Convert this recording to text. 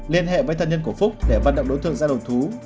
liên hệ với thân nhân của phúc để vận động đối thượng gia đồng thú